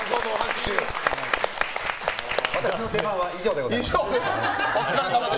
私の出番は以上でございます。